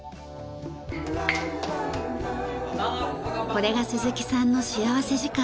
これが鈴木さんの幸福時間。